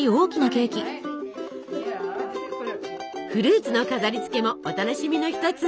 フルーツの飾りつけもお楽しみの一つ。